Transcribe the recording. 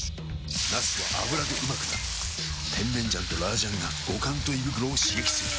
なすは油でうまくなる甜麺醤と辣醤が五感と胃袋を刺激する！